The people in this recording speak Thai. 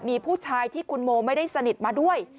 มีผู้ชายที่คุณโมไม่ได้สนิทมาด้วย